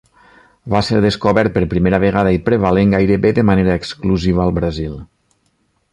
Va ser descobert per primera vegada i prevalent gairebé de manera exclusiva al Brasil.